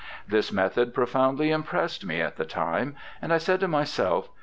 This method profoundly impressed me at the time, and I said to myself.